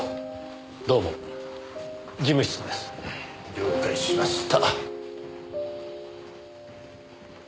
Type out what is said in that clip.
了解しました。